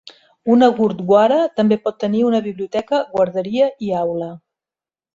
Una Gurdwara també pot tenir una biblioteca, guarderia i aula.